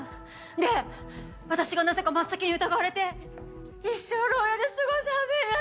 で私がなぜか真っ先に疑われて一生牢屋で過ごすはめになって。